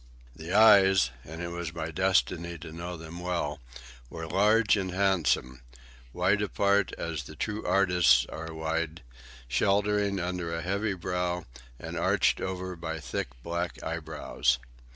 The eyes—and it was my destiny to know them well—were large and handsome, wide apart as the true artist's are wide, sheltering under a heavy brow and arched over by thick black eyebrows.